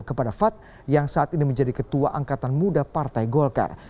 kepada fad yang saat ini menjadi ketua angkatan muda partai golkar